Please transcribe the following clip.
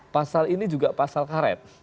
pasal ini juga pasal karet